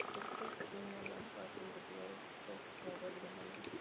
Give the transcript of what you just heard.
Su cuerpo es fino, alargado y de colores vistosos como verde y amarillo.